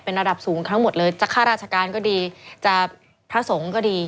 เป็นระดับสูงทั้งหมดเลยจากค่าราชการก็ดีจากพระสงก็ดี